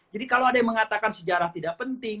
jadi kalau ada yang mengatakan sejarah tidak penting